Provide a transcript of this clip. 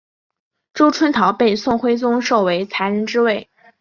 周春桃被宋徽宗授为才人之位。